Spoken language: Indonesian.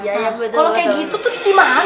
kalau kayak gitu terus dimana dong